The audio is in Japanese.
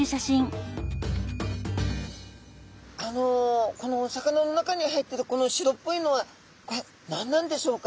あのこのお魚の中に入ってるこの白っぽいのはこれ何なんでしょうか？